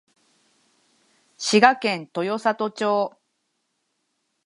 滋賀県豊郷町